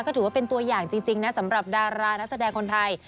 ก็ถือว่าเป็นตัวอย่างจริงนะสำหรับดารานักแสดงคนไทย